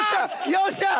よっしゃあ！